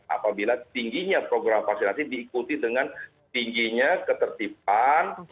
apabila tingginya program vaksinasi diikuti dengan tingginya ketertiban